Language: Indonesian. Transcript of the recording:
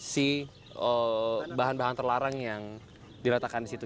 si bahan bahan terlarang yang diratakan di situ